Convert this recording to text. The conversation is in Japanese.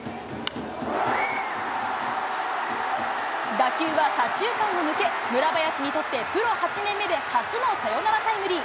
打球は左中間を抜け、村林にとってプロ８年目で初のサヨナラタイムリー。